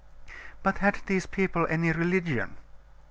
But had these people any religion?